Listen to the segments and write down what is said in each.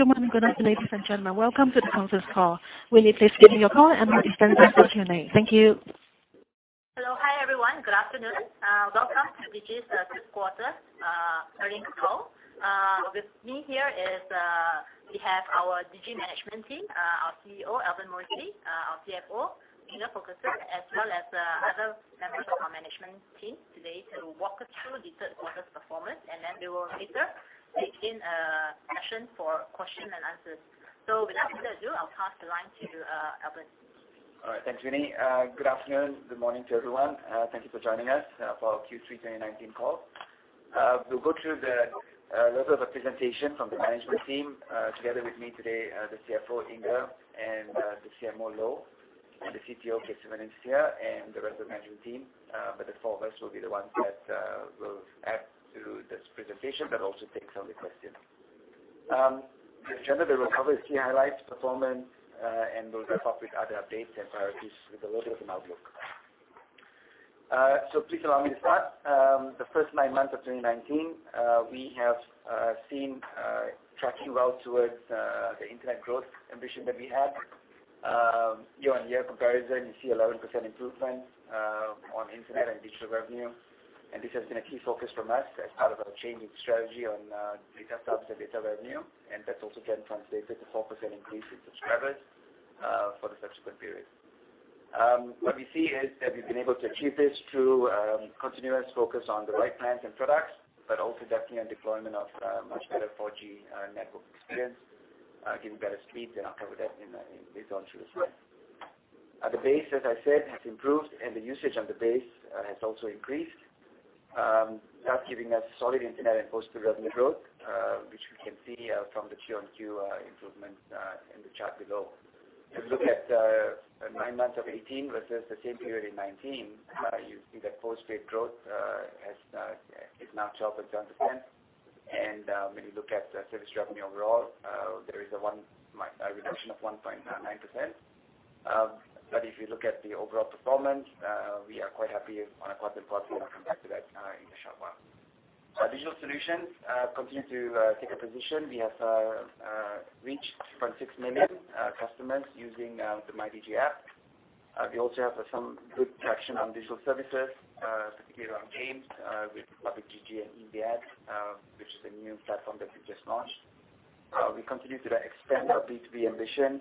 Good morning. Good afternoon, ladies and gentlemen. Welcome to the conference call. Will you please give me your call and I'll stand by for your name. Thank you. Hello. Hi, everyone. Good afternoon. Welcome to Digi's third quarter earnings call. With me here, we have our Digi management team, our CEO, Albern Murty, our CFO, Inger Folkeson, as well as other members of our management team today to walk us through the third quarter's performance, and then they will later take in a session for questions and answers. Without further ado, I'll pass the line to Albern. All right. Thanks, Winnie. Good afternoon. Good morning to everyone. Thank you for joining us for our Q3 2019 call. We'll go through the level of presentation from the management team. Together with me today, the CFO, Inger, and the CMO, Loh, and the CTO, Kesavan, is here, and the rest of the management team. The four of us will be the ones that will add to this presentation, but also take some of the questions. The agenda, we will cover key highlights, performance, and we'll wrap up with other updates and priorities with a little bit of an outlook. Please allow me to start. The first nine months of 2019, we have seen tracking well towards the internet growth ambition that we had. Year-on-year comparison, you see 11% improvement on internet and digital revenue. This has been a key focus from us as part of our changing strategy on data products and data revenue. That's also getting translated to 4% increase in subscribers for the subsequent period. What we see is that we've been able to achieve this through continuous focus on the right plans and products, but also definitely on deployment of much better 4G network experience, giving better speeds, and I'll cover that later on through the slides. The base, as I said, has improved, and the usage on the base has also increased, thus giving us solid internet and postpaid revenue growth, which we can see from the quarter-on-quarter improvement in the chart below. If you look at 9 months of 2018 versus the same period in 2019, you see that postpaid growth is now 12.7%. When you look at service revenue overall, there is a reduction of 1.9%. If you look at the overall performance, we are quite happy on a quarter-to-quarter, and I'll come back to that in a short while. Our digital solutions continue to take a position. We have reached 2.6 million customers using the MyDigi app. We also have some good traction on digital services, particularly around games, with PUBG Digi and in the app, which is a new platform that we just launched. We continue to expand our B2B ambition.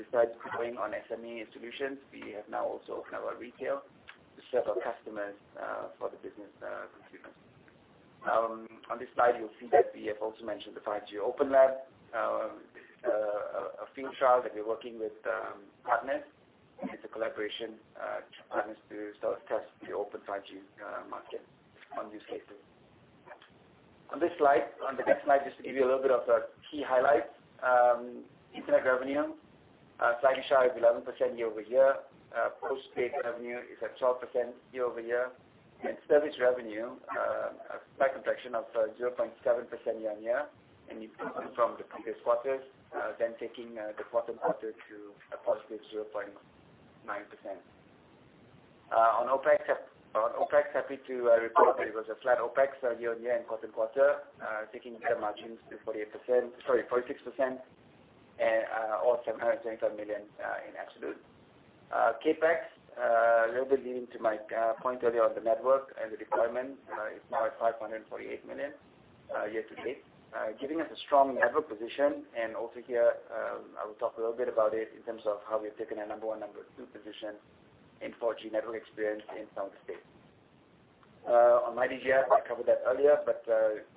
Besides pushing on SME solutions, we have now also opened our retail to serve our customers for the business consumers. On this slide, you'll see that we have also mentioned the 5G open lab, a field trial that we're working with partners. It's a collaboration to partners to self-test the open 5G market on use cases. On the next slide, just to give you a little bit of a key highlight. Internet revenue, slightly shy of 11% year-over-year. Postpaid revenue is at 12% year-over-year. Service revenue, a slight contraction of 0.7% year-on-year, and improving from the previous quarters, then taking the current quarter to a positive 0.9%. On OpEx, happy to report that it was a flat OpEx year-on-year and quarter-on-quarter, taking EBITDA margins to 48%, sorry, 46%, or 725 million in absolute. CapEx, a little bit leading to my point earlier on the network and the deployment, is now at 548 million year-to-date, giving us a strong network position. Also here, I will talk a little bit about it in terms of how we have taken a number one, number two position in 4G network experience in Southeast Asia. On MyDigi app, I covered that earlier, but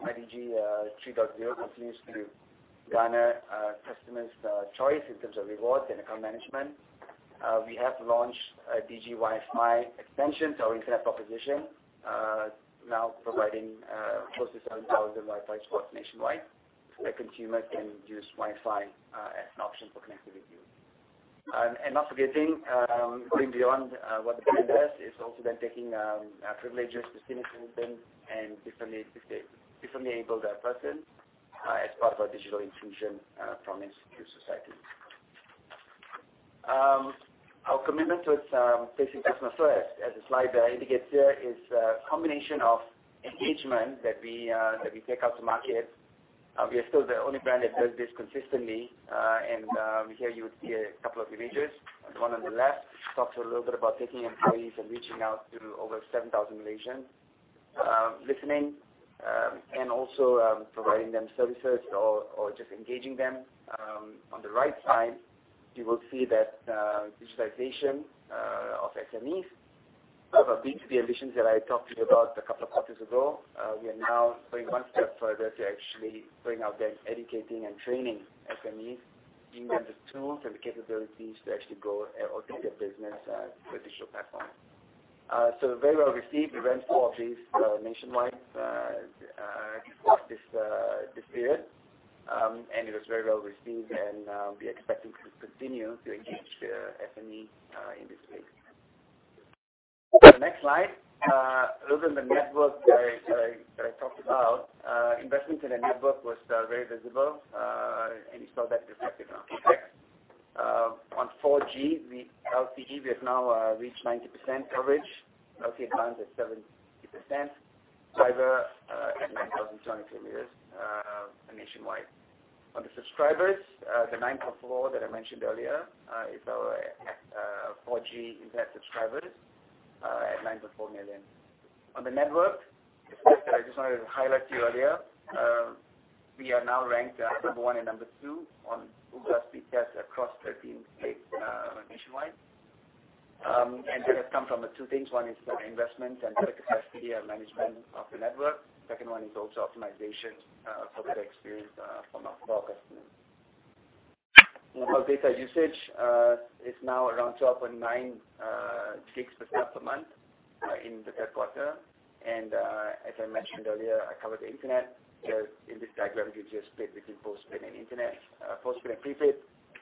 MyDigi 3.0 continues to garner customers' choice in terms of rewards and account management. We have launched a Digi Wi-Fi extension to our internet proposition, now providing close to 7,000 Wi-Fi spots nationwide, where consumers can use Wi-Fi as an option for connectivity. Not forgetting, going beyond what the brand does, is also then taking privileges to senior citizens and differently-abled persons, as part of our digital inclusion promise to society. Our commitment towards placing customers first, as the slide there indicates there, is a combination of engagement that we take out to market. We are still the only brand that does this consistently. Here you would see a couple of images. The one on the left talks a little bit about taking employees and reaching out to over 7,000 Malaysians, listening, and also providing them services or just engaging them. On the right side, you will see that digitization of SMEs. Part of our B2B ambitions that I talked to you about a couple of quarters ago, we are now going one step further to actually going out there and educating and training SMEs, giving them the tools and the capabilities to actually go and automate their business with digital platforms. Very well received. We ran four of these nationwide, across this period. It was very well received, and we are expecting to continue to engage the SME in this space. On the next slide, a little on the network that I talked about. Investment in the network was very visible, and you saw that reflected on CapEx. 4G, LTE, we have now reached 90% coverage. LTE plants at 70%. Fiber at 9,020 kilometers nationwide. On the subscribers, the 9.4 million that I mentioned earlier is our 4G internet subscribers at 9.4 million. On the network, the stats that I just wanted to highlight to you earlier, we are now ranked number 1 and number 2 on Ookla Speedtest across 13 states nationwide. That has come from two things. One is the investment and capacity and management of the network. Second one is also optimization for better experience for our customers. Mobile data usage is now around 12.9 GB per capita per month in the third quarter. As I mentioned earlier, I covered the internet. In this diagram, we just split between post-paid and internet. Post-paid and pre-paid,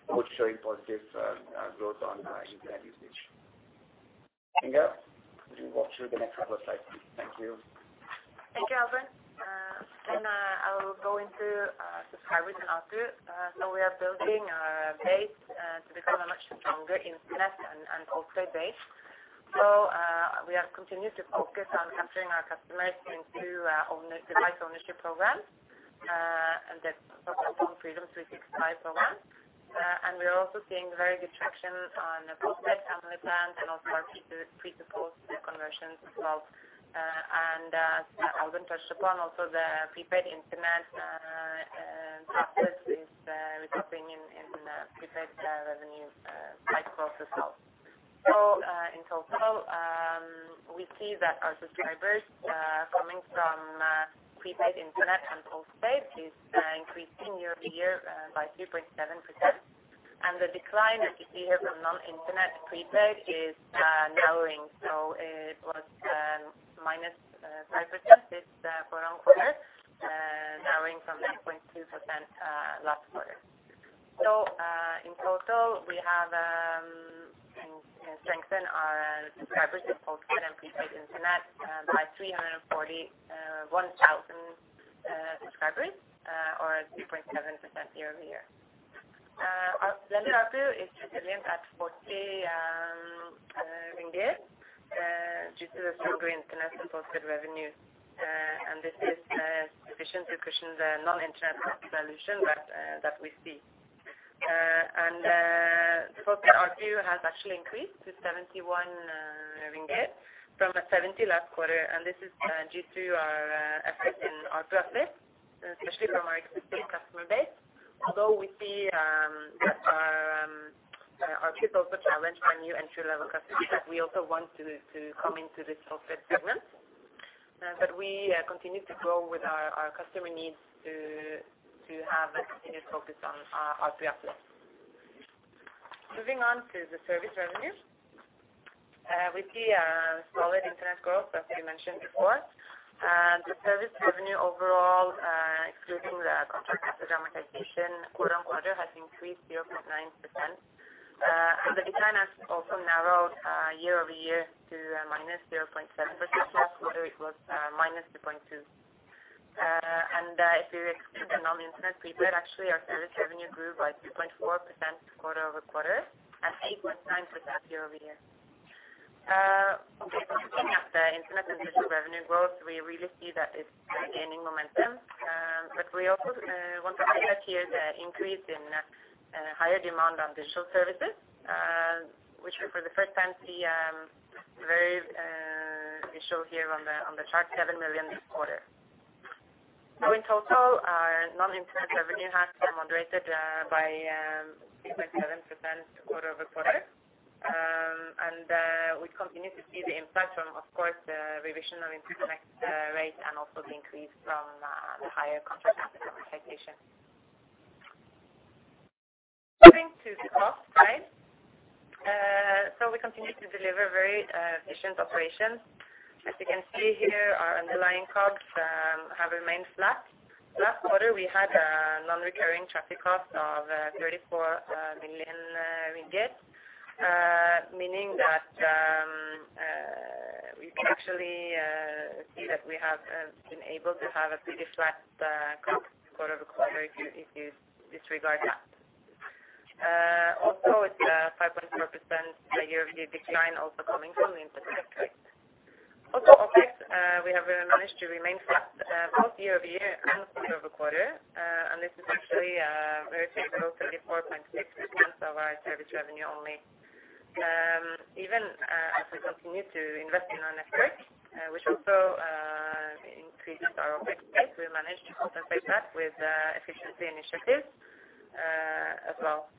both showing positive growth on internet usage. Inge, would you walk through the next couple of slides, please? Thank you. Thank you, Albern. I'll go into subscribers and ARPU. We are building our base to become a much stronger internet and also a base. We have continued to focus on capturing our customers into device ownership programs, and that's for our PhoneFreedom 365 program. We're also seeing very good traction on post-paid family plans and also our pre-to-post conversions as well. As Albern touched upon, also the pre-paid internet practice is resulting in pre-paid revenue cycle as well. In total, we see that our subscribers coming from pre-paid internet and post-paid is increasing year-over-year by 3.7%. The decline that you see here from non-internet pre-paid is narrowing. It was -5% this current quarter, narrowing from 6.2% last quarter. In total, we have strengthened our subscribers to post-paid and pre-paid internet by 341,000 subscribers or 3.7% year-over-year. The blended ARPU is resilient at MYR 40 due to the stronger internet and post-paid revenues. This is sufficient to cushion the non-internet dilution that we see. The post-paid ARPU has actually increased to 71 ringgit from 70 last quarter. This is due to our effort in ARPU uplift, especially from our existing customer base. Although we see our ARPU is also challenged by new entry-level customers that we also want to come into this post-paid segment. We continue to grow with our customer needs to have a continued focus on our ARPU uplift. Moving on to the service revenue. We see a solid internet growth, as we mentioned before. The service revenue overall, excluding the contract customer optimization quarter-on-quarter, has increased 0.9%. The decline has also narrowed year-over-year to -0.7%. Last quarter, it was -2.2%. If you exclude the non-internet prepaid, actually, our service revenue grew by 3.4% quarter-over-quarter and 8.9% year-over-year. Looking at the internet and digital revenue growth, we really see that it's gaining momentum. We also want to highlight here the increase in higher demand on digital services, which for the first time, we show here on the chart, 7 million this quarter. In total, our non-internet revenue has moderated by 6.7% quarter-over-quarter. We continue to see the impact from, of course, the revision of internet rate and also the increase from the higher contract customer optimization. Moving to cost slide. We continue to deliver very efficient operations. As you can see here, our underlying COGS have remained flat. Last quarter, we had a non-recurring traffic cost of 34 million ringgit, meaning that we actually see that we have been able to have a pretty flat cost quarter-over-quarter if you disregard that. It's a 5.4% year-over-year decline also coming from internet. OpEx, we have managed to remain flat both year-over-year and also quarter-over-quarter. This is actually a very favorable 34.6% of our service revenue only. Even as we continue to invest in our network, which also increases our OpEx base, we managed to compensate that with efficiency initiatives as well.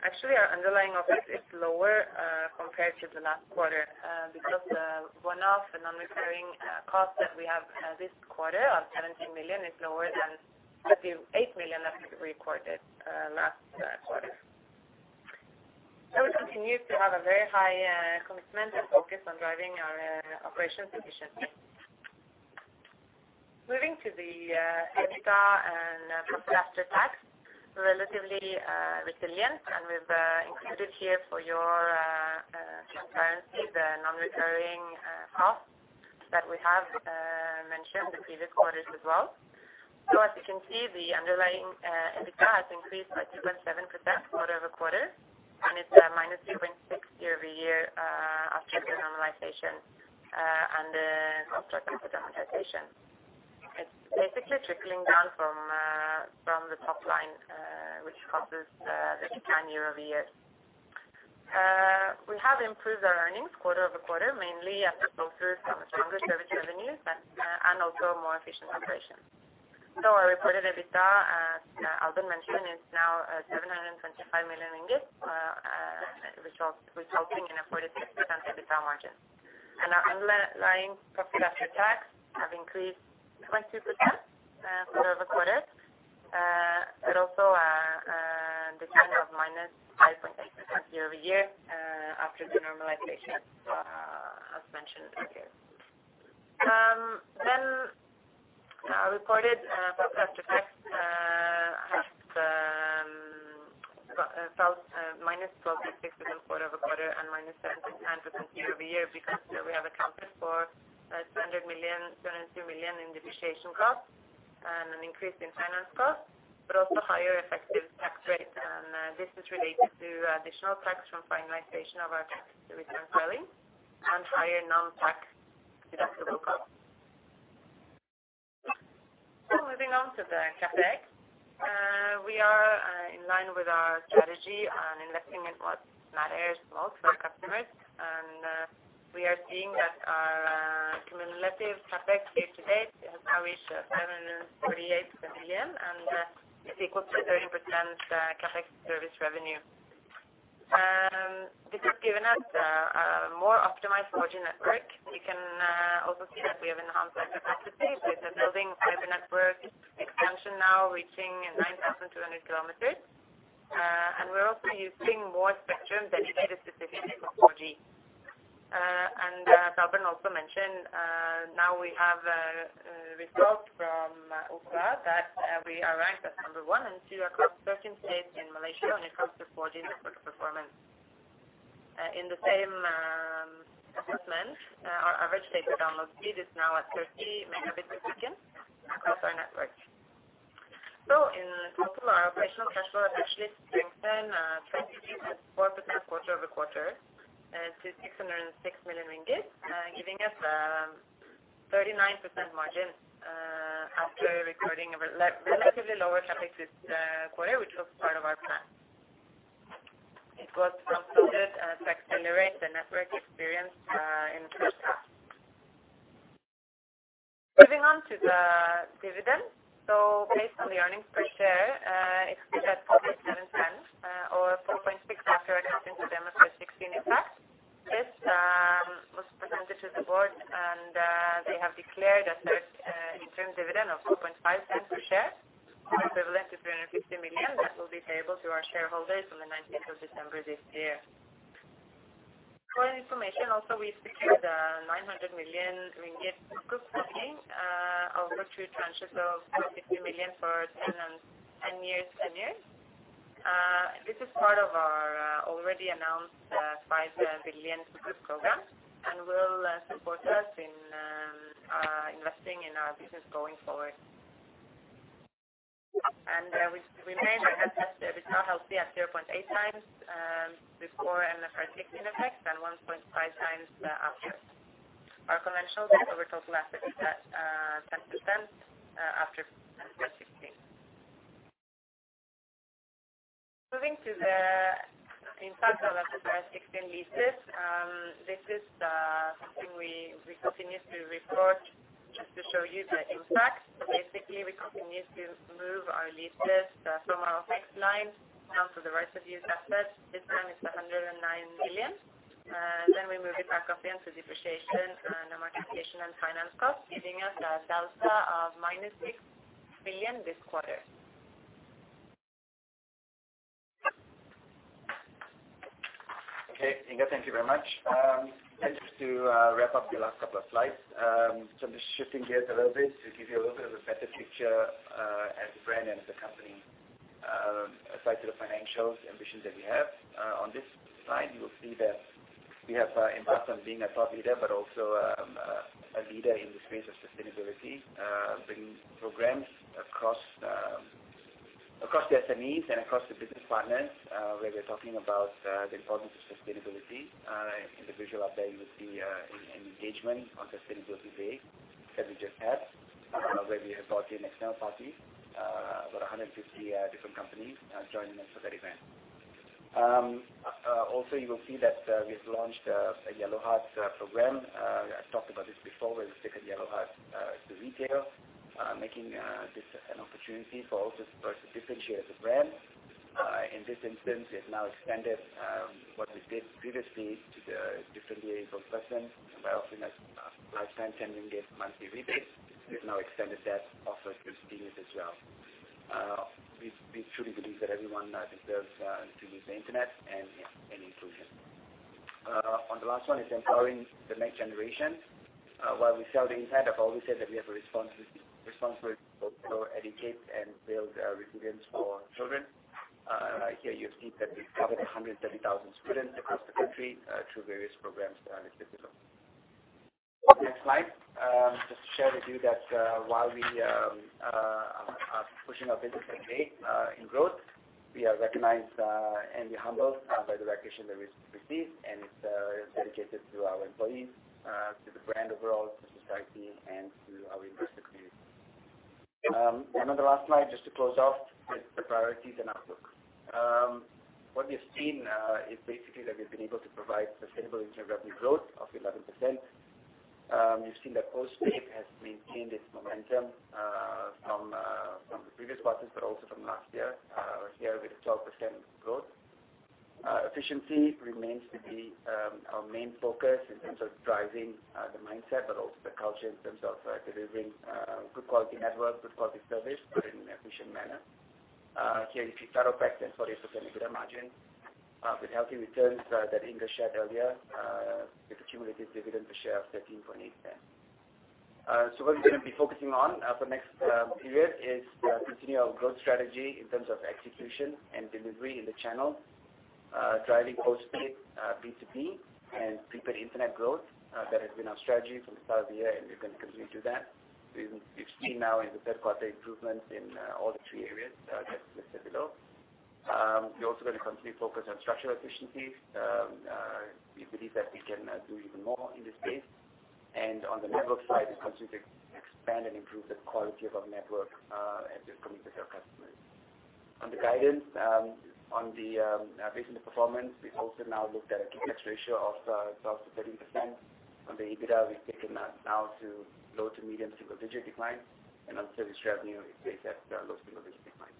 Actually, our underlying OpEx is lower compared to the last quarter because the one-off and non-recurring cost that we have this quarter of 17 million is lower than the 28 million that we recorded last quarter. We continue to have a very high commitment and focus on driving our operations efficiently. Moving to the EBITDA and profit after tax, relatively resilient, and we've included here for your convenience, the non-recurring costs that we have mentioned in the previous quarters as well. As you can see, the underlying EBITDA increased by 2.7% quarter-over-quarter, and it's -2.6% year-over-year after the normalization and the cost structure democratization. It's basically trickling down from the top line, which causes the decline year-over-year. We have improved our earnings quarter-over-quarter, mainly after closer from the core service revenues and also more efficient operations. Our reported EBITDA, as Albern mentioned, is now RM 725 million, resulting in a 46% EBITDA margin. Our underlying profit after tax have increased by 2% quarter-over-quarter, but also a decline of -5.6% year-over-year, after the normalization as mentioned earlier. Our reported profit after tax has felt -12.6% quarter-over-quarter and -17% year-over-year because we have accounted for 202 million in depreciation cost and an increase in finance cost, but also higher effective tax rate. This is related to additional tax from finalization of our tax return filing and higher non-tax deductible cost. Moving on to the CapEx. We are in line with our strategy and investing in what matters most to our customers. We are seeing that our cumulative CapEx year-to-date has now reached 548 million, and it's equal to 30% CapEx service revenue. This has given us a more optimized 4G network. You can also see that we have enhanced our capacity with the building fiber network expansion now reaching 9,200 km. We're also using more spectrum dedicated specifically for 4G. As Albern also mentioned, now we have results from Ookla that we are ranked as number 1 and 2 across 13 states in Malaysia when it comes to 4G network performance. In the same assessment, our average data download speed is now at 30 Mbps across our network. In total, our operational cash flow actually strengthened 24% quarter-over-quarter to 606 million ringgit, giving us a 39% margin after recording a relatively lower CapEx this quarter, which was part of our plan. It was to accelerate the network experience improvements. Moving on to the dividend. Basically, earnings per share, it's good at MYR 0.047 or 0.046 after adjusting for MFRS 16 effects. This was presented to the board, they have declared a third interim dividend of 0.025 per share or equivalent to 350 million that will be payable to our shareholders on the 19th of December this year. For your information, also, we secured a 900 million ringgit Shariah sukuk facility over two tranches of 450 million for 10 and 10 years tenures. This is part of our already announced 5 billion sukuk program will support us in investing in our business going forward. We remain at EBITDA healthy at 0.8 times before MFRS 16 effects and 1.5 times after. Our conventional debt over total assets is at 10% after MFRS 16. Moving to the impact of MFRS 16 leases. This is something we continue to report just to show you the impact. Basically, we continue to move our lease list from our fixed line onto the right of use asset. This time it's 109 million, and then we move it back up into depreciation and amortization and finance cost, giving us a delta of -6 million this quarter. Okay, Inge, thank you very much. Just to wrap up the last couple of slides. I'm just shifting gears a little bit to give you a little bit of a better picture as a brand and as a company, aside to the financials ambitions that we have. On this slide, you will see that we have embarked on being a thought leader, but also a leader in the space of sustainability, bringing programs across the SMEs and across the business partners, where we're talking about the importance of sustainability. In the visual up there, you will see an engagement on Sustainability Day that we just had, where we have brought in external parties, about 150 different companies joining us for that event. You will see that we have launched a Yellow Heart program. I've talked about this before, where we've taken Yellow Heart to retail, making this an opportunity for all customers to differentiate as a brand. In this instance, we have now extended what we did previously to the differently-abled persons by offering us lifetime MYR 10 monthly rebates. We've now extended that offer to seniors as well. We truly believe that everyone deserves to use the internet, and yeah, and inclusion. On the last one is empowering the next generation. While we sell the internet, I've always said that we have a responsibility to educate and build resilience for children. Here, you see that we cover 130,000 students across the country through various programs that have been developed. Next slide. Just to share with you that while we are pushing our business and made in growth, we are recognized and humbled by the recognition that we receive, it's dedicated to our employees, to the brand overall, to society, and to our investor community. On the last slide, just to close off with the priorities and outlook. What we've seen is basically that we've been able to provide sustainable revenue growth of 11%. You've seen that postpaid has maintained its momentum from the previous quarters, but also from last year, with 12% growth. Efficiency remains to be our main focus in terms of driving the mindset, but also the culture in terms of delivering good quality network, good quality service, but in an efficient manner. If you factor back then 40% EBITDA margin with healthy returns that Inger shared earlier, with accumulated dividend per share of 13.8%. What we're going to be focusing on for next period is continue our growth strategy in terms of execution and delivery in the channel, driving postpaid B2C and prepaid internet growth. That has been our strategy from the start of the year, and we're going to continue to do that. You've seen now in the third quarter improvements in all the three areas that are listed below. We're also going to continue to focus on structural efficiencies. We believe that we can do even more in this space, and on the network side, we continue to expand and improve the quality of our network as we've committed to our customers. On the guidance, based on the performance, we've also now looked at a CapEx ratio of 12%-13%. On the EBITDA, we've taken that now to low to medium single-digit declines, and on service revenue, we place that low single-digit decline.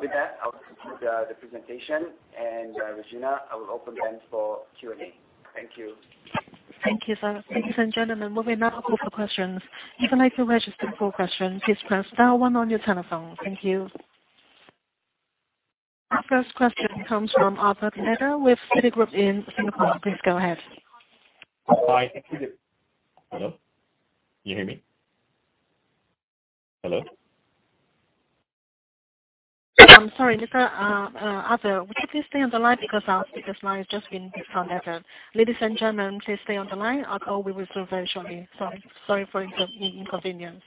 With that, I'll conclude the presentation, and Regina, I will open then for Q&A. Thank you. Thank you, sir. Ladies and gentlemen, we may now open for questions. If you'd like to register for questions, please press star one on your telephone. Thank you. Our first question comes from Arthur Pineda with Citigroup in Singapore. Please go ahead. Hi. Hello? Can you hear me? Hello? I'm sorry, Mr. Arthur. Would you please stay on the line because our speaker's line has just been disconnected. Ladies and gentlemen, please stay on the line. Our call will resume virtually. Sorry for the inconvenience.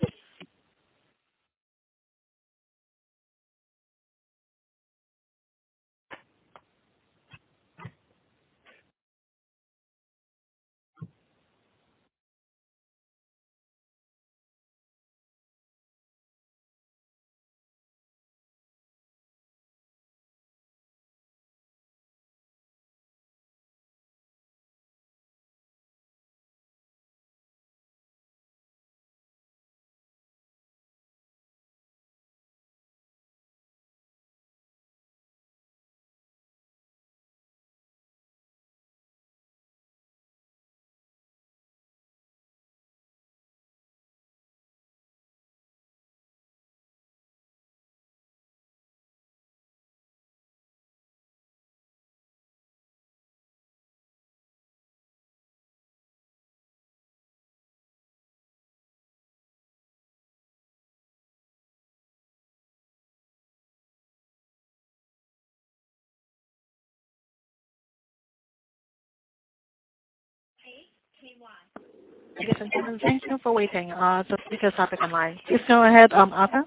Ladies and gentlemen, thank you for waiting. The speaker's back on the line. Please go ahead, Arthur.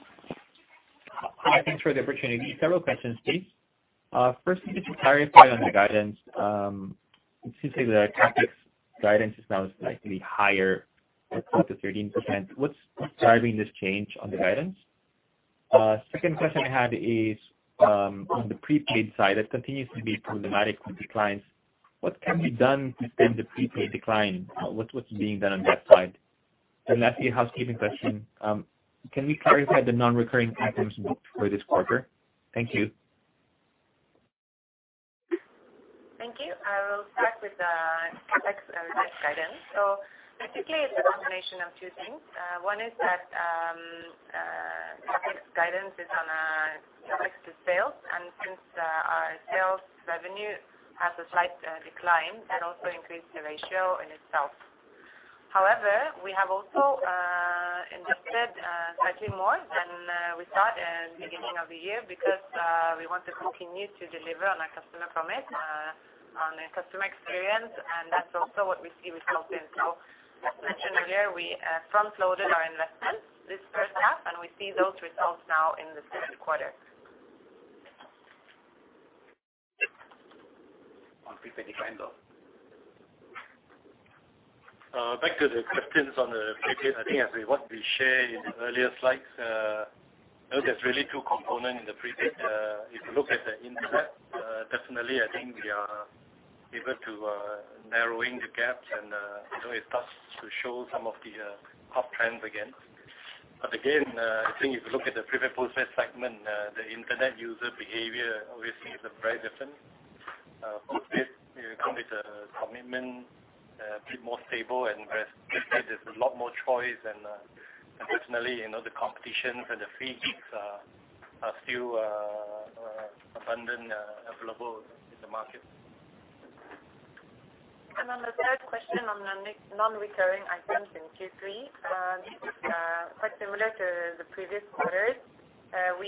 Hi. Thanks for the opportunity. Several questions, please. First, could you clarify on the guidance? It seems like the CapEx guidance is now slightly higher at 12%-13%. What's driving this change on the guidance? Second question I have is, on the prepaid side, it continues to be problematic with declines. What can be done to stem the prepaid decline? What's being done on that side? Lastly, a housekeeping question. Can we clarify the non-recurring items for this quarter? Thank you. Thank you. I will start with the CapEx guidance. Basically, it's a combination of two things. One is that CapEx guidance is on a CapEx to sales, and since our sales revenue has a slight decline, that also increased the ratio in itself. However, we have also invested slightly more than we thought in the beginning of the year because we want to continue to deliver on our customer promise on the customer experience, and that's also what we see resulting. As mentioned earlier, we front-loaded our investments this first half, and we see those results now in the second quarter. On prepaid declines, though. Back to the questions on the prepaid, I think as we want to share in the earlier slides, there's really two components in the prepaid. If you look at the internet, definitely, I think we are able to narrow the gaps and it starts to show some of the uptrends again. Again, I think if you look at the prepaid postpaid segment, the internet user behavior obviously is very different. Postpaid, it comes with a commitment, a bit more stable, and prepaid, there's a lot more choice, and personally, the competition for the fees are still abundant, available in the market. On the third question on the non-recurring items in Q3, quite similar to the previous quarters.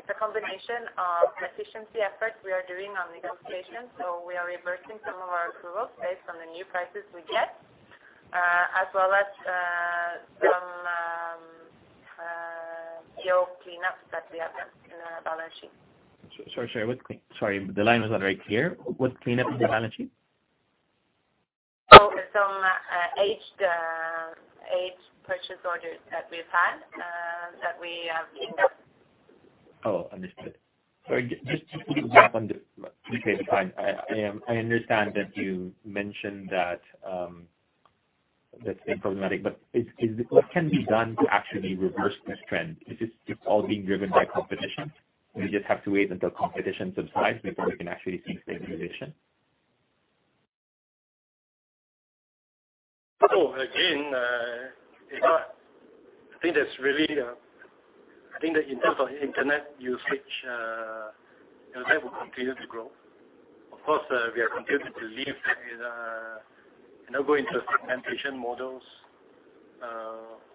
It's a combination of efficiency efforts we are doing on negotiation. We are reversing some of our approvals based on the new prices we get, as well as some pure cleanups that we have done in the balance sheet. Sorry. The line was not very clear. What cleanup in the balance sheet? Oh, some aged purchase orders that we've had, that we have cleaned up. Oh, understood. Sorry, just to put it back on the prepaid side. I understand that you mentioned that's been problematic. What can be done to actually reverse this trend? Is this just all being driven by competition? We just have to wait until competition subsides before we can actually see stabilization. Again, Eva, I think that in terms of internet usage, that will continue to grow. Of course, we are continuing to lean and now go into segmentation models,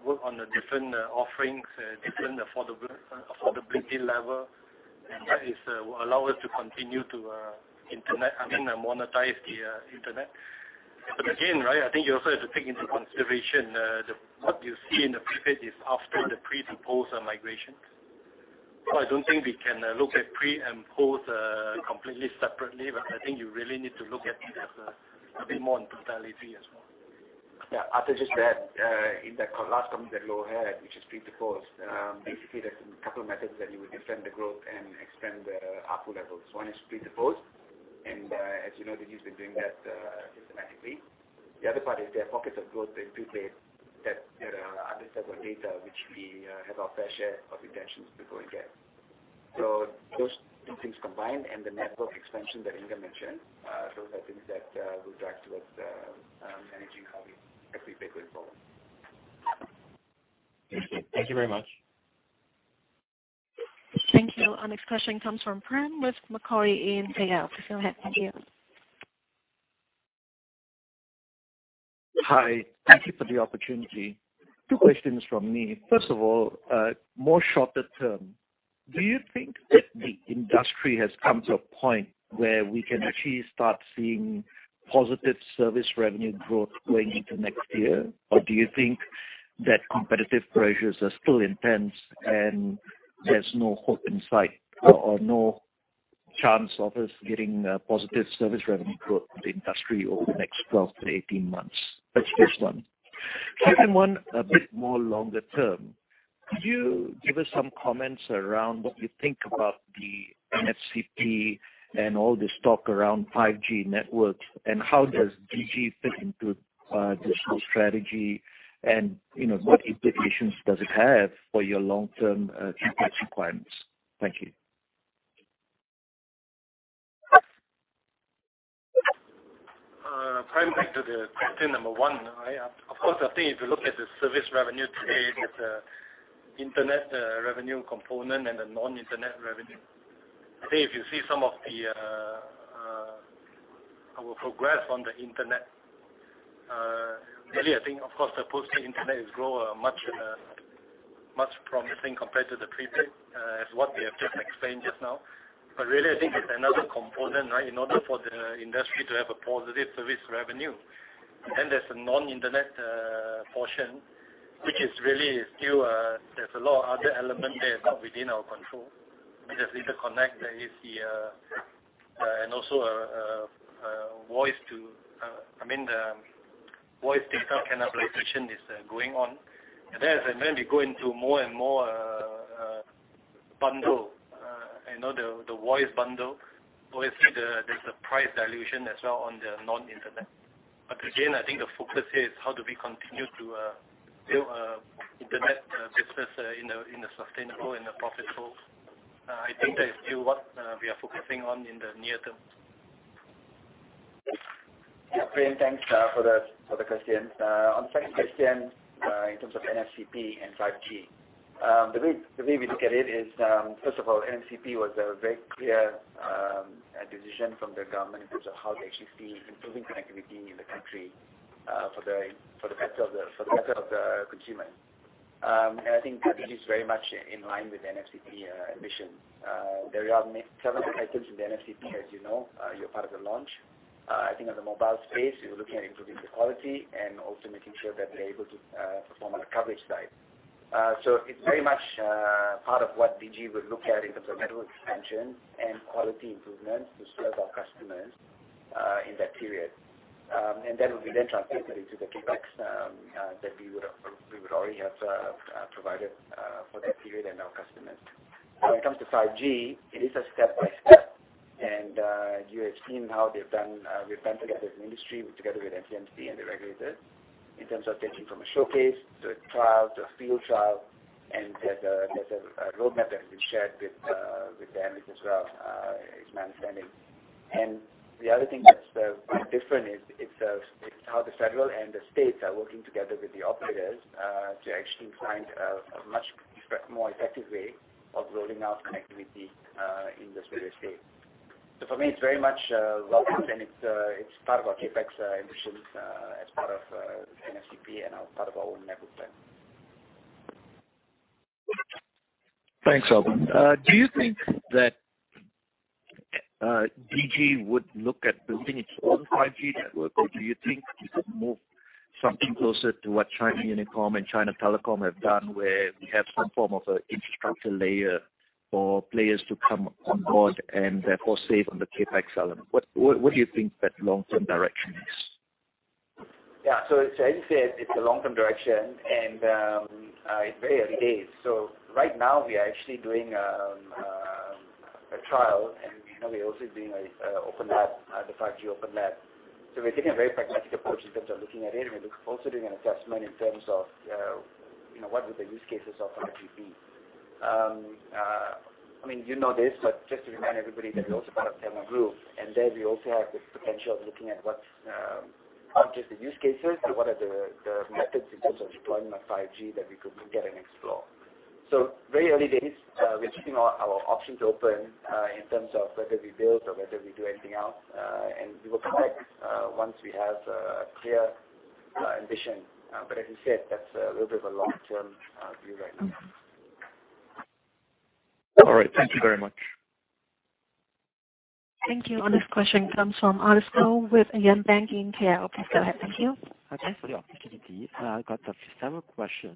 work on the different offerings, different affordability level. That will allow us to continue to I mean, monetize the internet. Again, right, I think you also have to take into consideration, what you see in the prepaid is after the pre and post migration. I don't think we can look at pre and post, completely separately, but I think you really need to look at it a bit more in totality as well. Yeah. I'll just add, in that last comment that Lo had, which is pre to post. There's a couple of methods that you would defend the growth and expand the ARPU levels. One is pre to post, as you know, they've usually doing that systematically. The other part is there are pockets of growth in prepaid that there are other types of data which we have our fair share of intentions to go and get. Those two things combined and the network expansion that Inge mentioned, those are things that will drive towards managing how we actually take going forward. Thank you very much. Thank you. Our next question comes from Prem with Macquarie in KL. Prem, thank you. Hi. Thank you for the opportunity. Two questions from me. First of all, more shorter term, do you think that the industry has come to a point where we can actually start seeing positive service revenue growth going into next year? Do you think that competitive pressures are still intense and there's no hope in sight or no chance of us getting a positive service revenue growth for the industry over the next 12-18 months? That's the first one. Second one, a bit more longer term. Could you give us some comments around what you think about the NFCP and all this talk around 5G networks, and how does Digi fit into, digital strategy? What implications does it have for your long-term CapEx requirements? Thank you. Prem, back to the question number one, right. Of course, I think if you look at the service revenue today with the internet revenue component and the non-internet revenue. Today, if you see some of our progress on the internet, really, I think, of course, the postpaid internet has grown much promising compared to the prepaid, as what we have just explained just now. Really, I think it's another component, right, in order for the industry to have a positive service revenue. There's a non-internet portion, which is really still, there's a lot of other element there that's not within our control. There's interconnect and also, I mean, the voice data cannibalization is going on. As and when we go into more and more bundle, the voice bundle, obviously there's a price dilution as well on the non-internet. Again, I think the focus is how do we continue to build internet business in a sustainable and a profitable. I think that is still what we are focusing on in the near term. Yeah. Prem, thanks for the question. On the second question, in terms of NFCP and 5G. The way we look at it is, first of all, NFCP was a very clear decision from the government in terms of how they actually see improving connectivity in the country, for the better of the consumer. I think Digi is very much in line with the NFCP mission. There are several items in the NFCP, as you know, you're part of the launch. I think on the mobile space, we're looking at improving the quality and also making sure that we're able to perform on the coverage side. It's very much, part of what Digi would look at in terms of network expansion and quality improvements to serve our customers, in that period. That would be then translated into the CapEx that we would already have provided for that period and our customers. When it comes to 5G, it is a step by step, and you have seen how we've done together as an industry together with MCMC and the regulators in terms of taking from a showcase to a trial, to a field trial, and there's a roadmap that we've shared with them as well, is my understanding. The other thing that's quite different is it's The federal and the states are working together with the operators to actually find a much more effective way of rolling out connectivity in the various states. For me, it's very much welcome, and it's part of our CapEx ambitions as part of NFCP and as part of our own network plan. Thanks, Albern. Do you think that Digi would look at building its own 5G network, or do you think you could move something closer to what China Unicom and China Telecom have done, where we have some form of an infrastructure layer for players to come on board and therefore save on the CapEx element? What do you think that long-term direction is? As you said, it's a long-term direction, and it's very early days. Right now we are actually doing a trial, and we're also doing the 5G open lab. We're taking a very pragmatic approach in terms of looking at it, and we're also doing an assessment in terms of what would the use cases of 5G be. You know this, but just to remind everybody that we're also part of Telenor Group, and there we also have the potential of looking at what's not just the use cases, but what are the methods in terms of deployment of 5G that we could look at and explore. Very early days. We're keeping our options open in terms of whether we build or whether we do anything else. We will come back once we have a clear ambition. As you said, that's a little bit of a long-term view right now. All right. Thank you very much. Thank you. Our next question comes from Arisco with AHAM Capital in KL. Please go ahead. Thank you. Thanks for the opportunity. I've got several questions.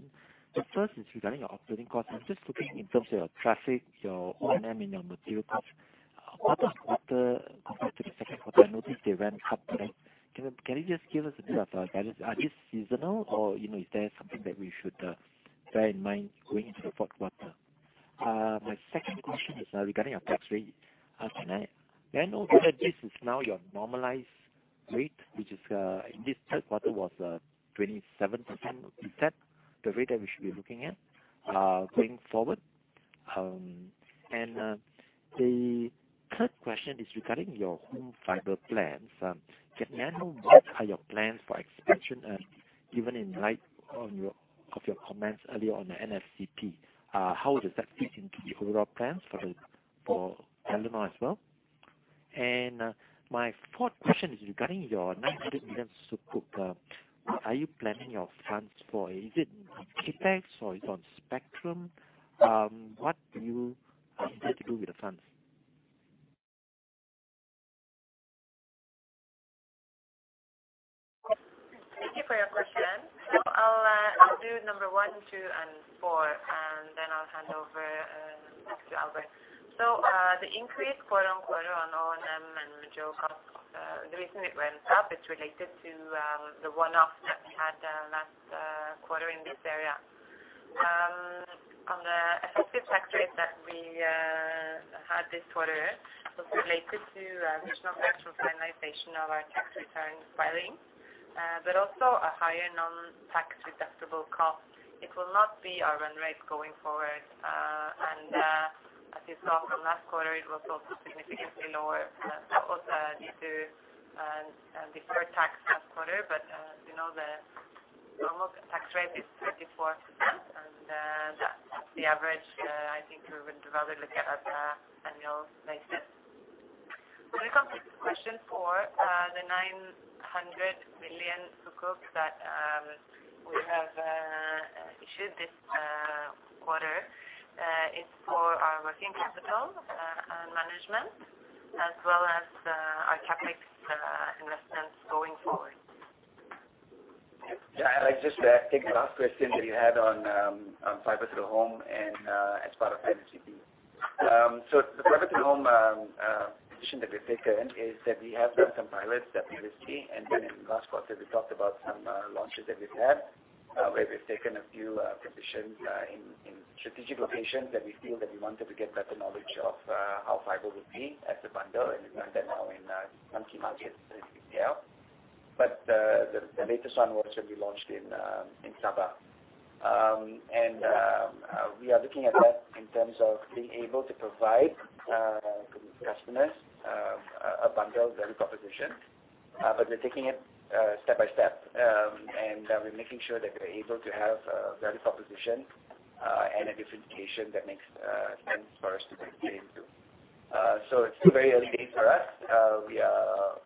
The first is regarding your operating costs. I'm just looking in terms of your traffic, your O&M, and your material costs. Quarter to quarter, compared to the second quarter, I noticed they ran up. Can you just give us a bit of guidance? Are these seasonal, or is there something that we should bear in mind going into the fourth quarter? My second question is regarding your tax rate. May I know whether this is now your normalized rate, which in this third quarter was 27%? Is that the rate that we should be looking at going forward? The third question is regarding your home fiber plans. Can I know what are your plans for expansion, even in light of your comments earlier on the NFCP? How does that fit into the overall plans for Telenor as well? My fourth question is regarding your 900 million sukuk. Are you planning your funds for CapEx, or is it on spectrum? What do you intend to do with the funds? Thank you for your question. I'll do number 1, 2, and 4, and then I'll hand over back to Albert. The increase quarter-on-quarter on O&M and material cost, the reason it went up, it's related to the one-off that we had last quarter in this area. On the effective tax rate that we had this quarter was related to additional actual finalization of our tax returns filing but also a higher non-tax-deductible cost. It will not be our run rate going forward. As you saw from last quarter, it was also significantly lower. That was due to deferred tax last quarter. As you know, the normal tax rate is 34%, and that's the average. I think we would rather look at it at an annual basis. When it comes to question 4, the 900 million sukuk that we have issued this quarter is for our working capital management as well as our CapEx investments going forward. I'll just take the last question that you had on fiber to the home and as part of NFCP. The fiber to the home position that we've taken is that we have done some pilots that we've seen. In the last quarter, we talked about some launches that we've had, where we've taken a few positions in strategic locations that we feel that we wanted to get better knowledge of how fiber would be as a bundle, and we run that now in one key market in KL. The latest one was that we launched in Sabah. We are looking at that in terms of being able to provide customers a bundle value proposition. We're taking it step by step, and we're making sure that we're able to have a value proposition and a different equation that makes sense for us to bring into. It's very early days for us. We are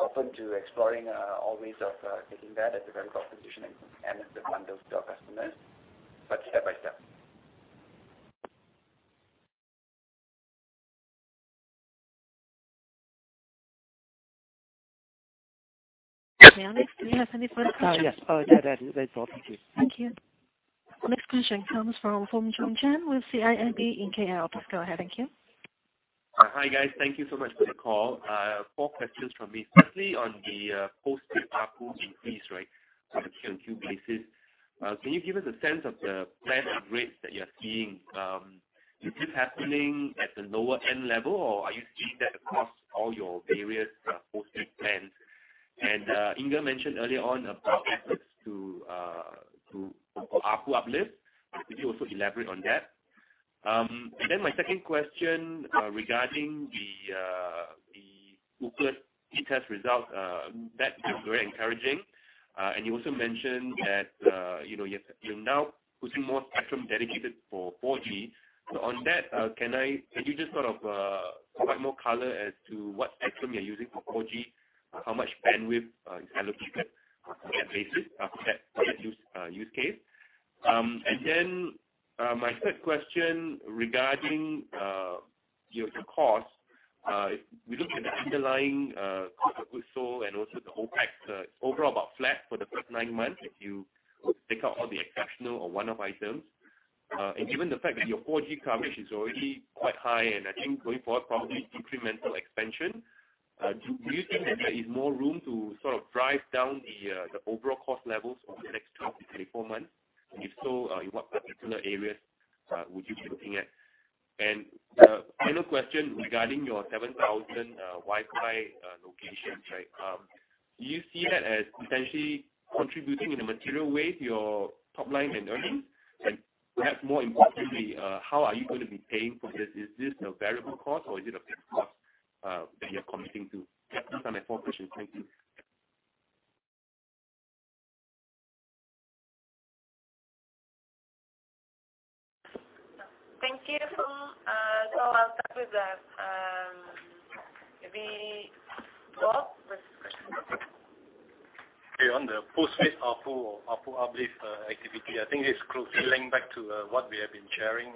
open to exploring all ways of taking that as a value proposition and as the bundle to our customers, but step by step. Janice, do you have any further questions? Yes. That is all. Thank you. Thank you. Our next question comes from Foong Choong Chen with CIMB in KL. Please go ahead. Thank you. Hi, guys. Thank you so much for the call. Four questions from me. Firstly, on the post-paid ARPU increase on a Q on Q basis, can you give us a sense of the plan of rates that you're seeing? Is this happening at the lower end level, or are you seeing that across all your various post-paid plans? Inge mentioned earlier on about efforts for ARPU uplift. Could you also elaborate on that? My second question regarding the U.K. test result. That was very encouraging. You also mentioned that you're now putting more spectrum dedicated for 4G. On that, can you just provide more color as to what spectrum you're using for 4G? How much bandwidth is allocated on a basic for that use case? My third question regarding your cost. If we look at the underlying cost of goods sold and also the OpEx, it's overall about flat for the first nine months if you take out all the exceptional or one-off items. Given the fact that your 4G coverage is already quite high and I think going forward probably incremental expansion, do you think that there is more room to drive down the overall cost levels over the next 12 to 24 months? If so, in what particular areas would you be looking at? The final question regarding your 7,000 Digi Wi-Fi locations. Do you see that as potentially contributing in a material way to your top line and earnings? Perhaps more importantly, how are you going to be paying for this? Is this a variable cost or is it a fixed cost that you're committing to? Those are my four questions. Thank you. Thank you, Foong. I'll start with that. Maybe Paul? On the post-paid ARPU or ARPU uplift activity, I think it's closely linked back to what we have been sharing.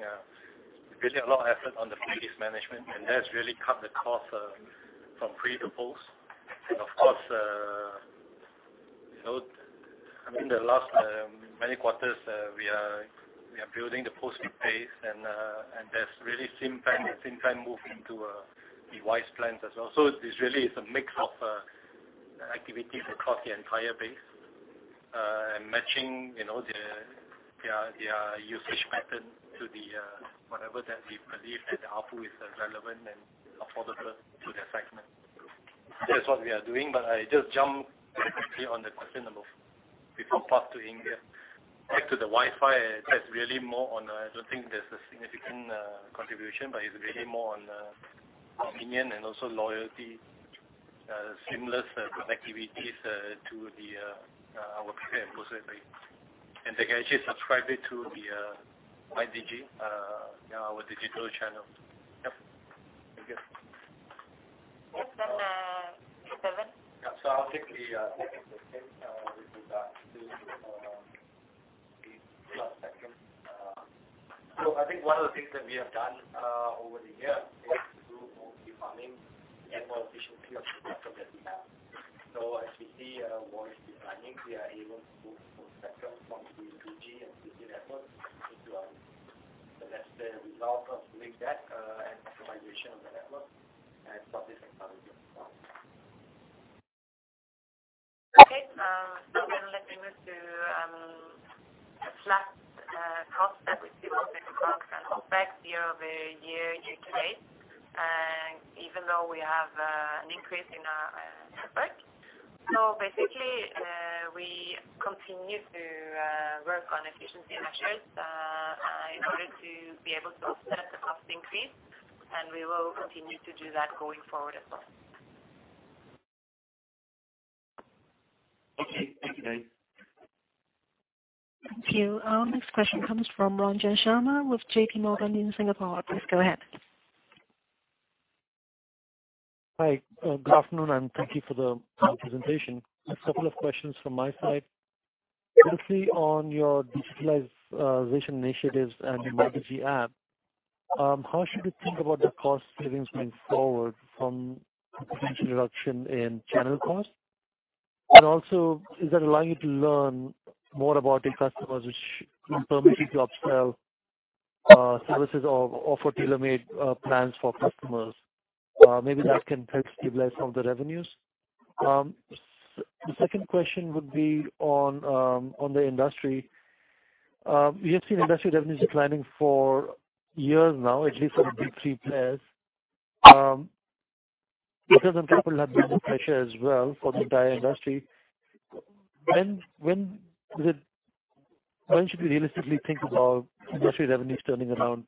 We put a lot of effort on the price plan management, and that's really cut the cost from pre to post. Of course, in the last many quarters, we are building the postpaid base, and that's really same time moving to a device plan as well. It's really is a mix of activities across the entire base, and matching their usage pattern to the whatever that we believe that the ARPU is relevant and affordable to their segment. That's what we are doing. I just jump directly on the question before passing to Inge. Back to the Digi Wi-Fi, that's really more on I don't think there's a significant contribution, but it's really more on convenience and also loyalty, seamless connectivities to our prepaid post-paid. They can actually subscribe it to the MyDigi, our digital channel. Yep. Thank you. Kesavan? I'll take the second question with regards to the spectrum. I think one of the things that we have done over the years is through spectrum refarming and more efficiency of the spectrum that we have. As we see voice declining, we are able to move more spectrum from the 2G and 3G networks into our 4G. That's the result of doing that and optimization of the network and spectrum efficiency as well. Okay. Let me move to flat cost that we see on CapEx and OpEx year-over-year YTD, even though we have an increase in our network. We continue to work on efficiency measures in order to be able to offset the cost increase, and we will continue to do that going forward as well. Okay. Thank you, guys. Thank you. Our next question comes from Ranjan Sharma with JPMorgan in Singapore. Please go ahead. Hi. Good afternoon, and thank you for the presentation. A couple of questions from my side. Firstly, on your digitalization initiatives and your MyDigi app, how should we think about the cost savings going forward from potential reduction in channel costs? Is that allowing you to learn more about your customers, which can permit you to upsell services or offer tailor-made plans for customers? Maybe that can help stabilize some of the revenues. The second question would be on the industry. We have seen industry revenues declining for years now, at least for the big three players. Customer capital have been under pressure as well for the entire industry. When should we realistically think about industry revenues turning around?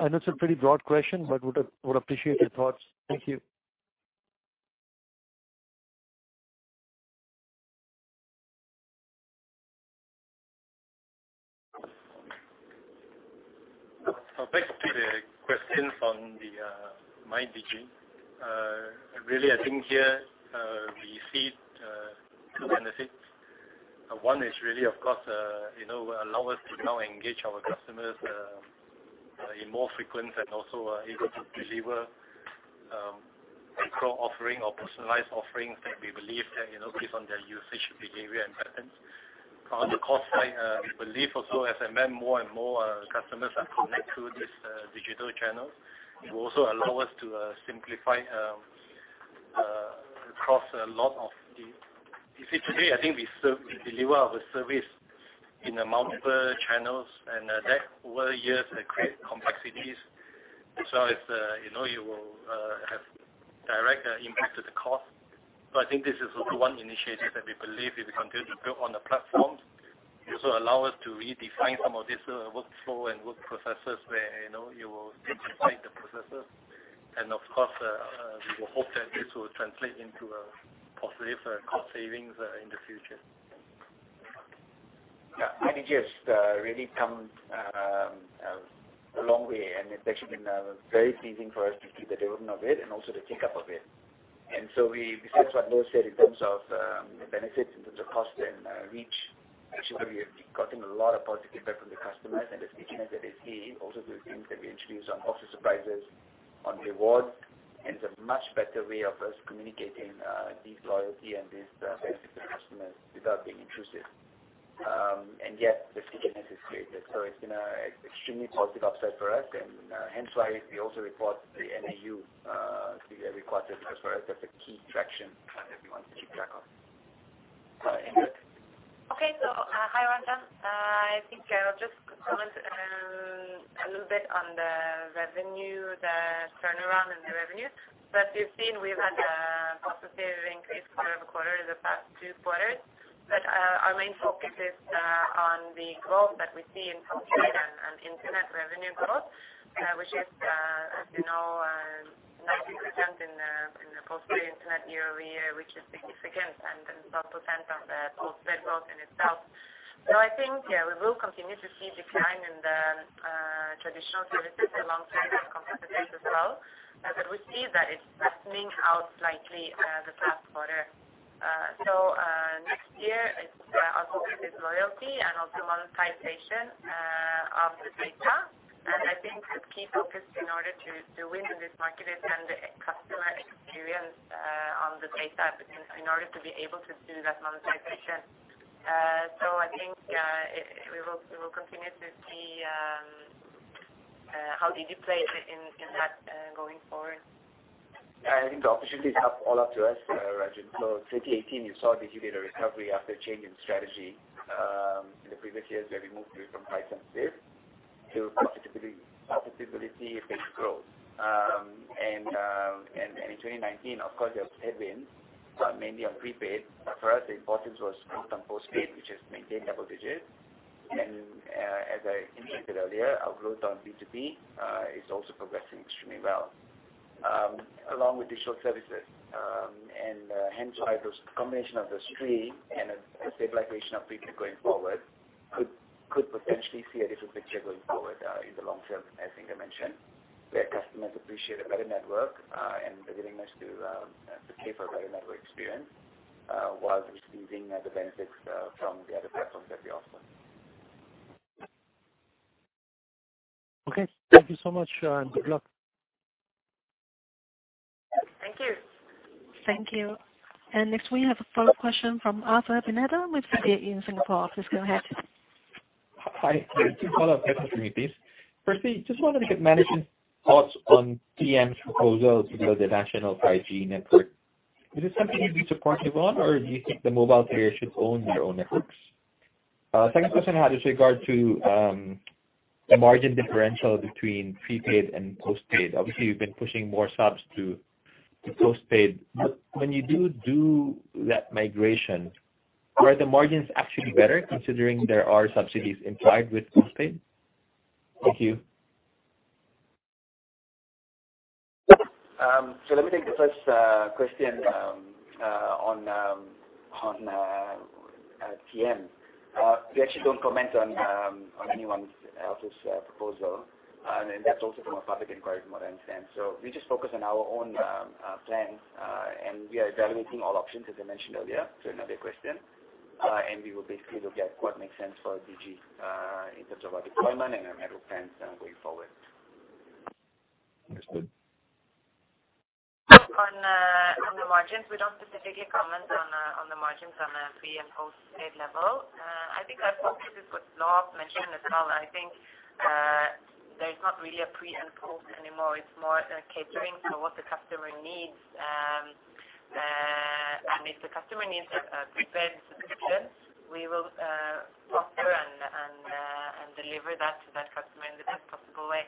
I know it's a pretty broad question, but would appreciate your thoughts. Thank you. Back to the question from the MyDigi. Really, I think here, we see two benefits. One is really, of course, allow us to now engage our customers in more frequent and also able to deliver cross-offering or personalized offerings that we believe based on their usage behavior and patterns. On the cost side, we believe also as I mentioned, more and more customers are connect through this digital channel. It will also allow us to simplify cost. You see today, I think we deliver our service in multiple channels, and that over the years have created complexities. If you will, impact to the cost. I think this is also one initiative that we believe it will continue to build on the platforms. It will also allow us to redefine some of this workflow and work processes where you will digitize the processes. Of course, we will hope that this will translate into a positive cost savings in the future. Yeah. Digi has really come a long way. It's actually been very pleasing for us to see the development of it and also the take-up of it. Besides what Loh said in terms of the benefits, in terms of cost and reach, actually, we have gotten a lot of positive feedback from the customers and the stickiness that they see. Also those things that we introduced on offers, surprises, on rewards. It's a much better way of us communicating these loyalty and these benefits to customers without being intrusive. Yet the stickiness is created. It's been an extremely positive upside for us and hence why we also report the MAU every quarter as for us, that's a key traction that we want to keep track of. Okay. Hi, Ranjan. I think I'll just comment a little bit on the revenue, the turnaround and the revenue. As you've seen, we've had a positive increase quarter-over-quarter the past two quarters. Our main focus is on the growth that we see in postpaid and internet revenue growth, which is, as you know, 90% in the postpaid internet year-over-year, which is significant, and then 12% on the postpaid growth in itself. I think, yeah, we will continue to see decline in the traditional services along with competitors as well. We see that it's flattening out slightly the past quarter. Next year, our focus is loyalty and also monetization of the data. I think the key focus in order to do it in this market is on the customer experience on the data in order to be able to do that monetization. I think, we will continue to see how Digi plays in that going forward. I think the opportunities are all up to us, Ranjan. 2018, you saw Digi did a recovery after a change in strategy. In the previous years, we had moved away from price sensitive to profitability and basic growth. In 2019, of course, there was headwinds, but mainly on prepaid. For us, the importance was growth on postpaid, which has maintained double digits. As I indicated earlier, our growth on B2B is also progressing extremely well, along with digital services. Hence why those combination of those three and a stabilization of prepaid going forward could potentially see a different picture going forward in the long term, as Inge mentioned, where customers appreciate a better network and the willingness to pay for a better network experience while receiving the benefits from the other platforms that we offer. Okay. Thank you so much, and good luck. Thank you. Thank you. Next we have a follow-up question from Arthur Pineda with Citi in Singapore. Please go ahead. Hi. Two follow-up questions for me, please. Firstly, just wanted to get management's thoughts on TM's proposal to build a national 5G network. Is this something you'd be supportive on, or do you think the mobile carrier should own their own networks? Second question I had is regard to the margin differential between prepaid and postpaid. Obviously, you've been pushing more subs to postpaid. When you do that migration, are the margins actually better considering there are subsidies implied with postpaid? Thank you. Let me take the first question on TM. We actually don't comment on anyone else's proposal, and that's also from a public inquiry, from what I understand. We just focus on our own plans, and we are evaluating all options, as I mentioned earlier to another question. We will basically look at what makes sense for Digi in terms of our deployment and our network plans going forward. Understood. On the margins, we don't specifically comment on the margins on a pre- and post-paid level. I think I've spoken to this with Loh mentioned as well. I think there's not really a pre- and post anymore. It's more catering for what the customer needs. If the customer needs a prepaid subscription, we will offer and deliver that to that customer in the best possible way.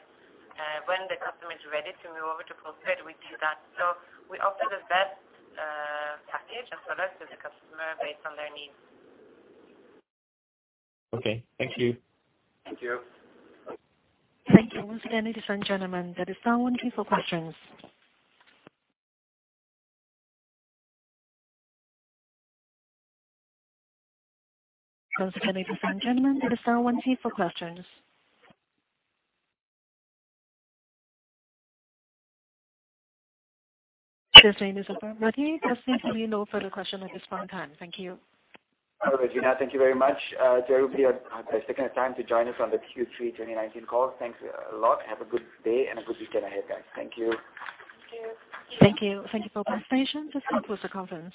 When the customer is ready to move over to postpaid, we do that. We offer the best package as well as to the customer based on their needs. Okay. Thank you. Thank you. Thank you. Once again, ladies and gentlemen, that is line one queue for questions. [Ladies and gentlemen it is star one three for questions]. Thank you. Testing, we no further question at this point in time. Thank you. Regina, thank you very much. To everybody who had taken the time to join us on the Q3 2019 call. Thanks a lot. Have a good day and a good weekend ahead, guys. Thank you. Thank you. Thank you. Thank you for your participation. This concludes the conference.